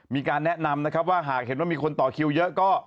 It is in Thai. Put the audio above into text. มีการแนะนำนะครับว่าหากเห็นว่ามีคนต่อคิวเยอะก็